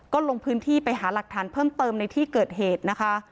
ก็ลงพื้นที่ไปหาหลักฐานเพิ่มเติมในที่เกิดเหตุนะคะ